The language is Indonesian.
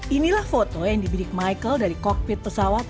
inilah foto yang dibidik michael dari kokpit pesawat